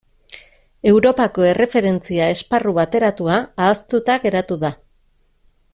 Europako Erreferentzia Esparru Bateratua ahaztuta geratu da.